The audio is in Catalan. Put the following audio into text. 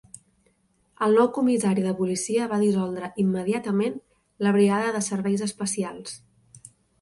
El nou comissari de policia va dissoldre immediatament la brigada de serveis espacials.